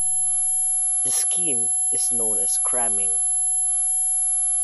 The scheme is known as 'cramming'.